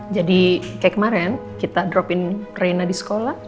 jadi kayak kemaren kita dropin reina di sekolah